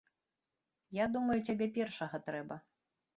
Я думаю, цябе першага трэба.